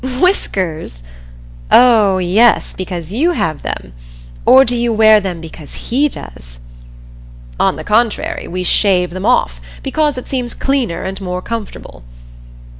"Whiskers? Oh yes because you have them! Or do you wear them because He does?" "On the contrary, we shave them off because it seems cleaner and more comfortable."